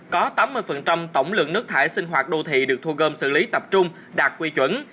có tám mươi tổng lượng nước thải sinh hoạt đô thị được thu gom xử lý tập trung đạt quy chuẩn